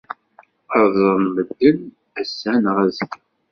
Ad ẓren medden ass-a neɣ azekka.